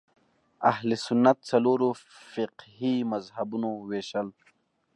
اهل سنت څلورو فقهي مذهبونو وېشل